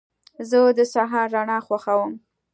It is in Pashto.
زه د سهار رڼا خوښوم.